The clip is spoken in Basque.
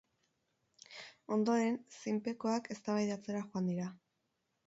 Ondoren, zinpekoak eztabaidatzera joan dira.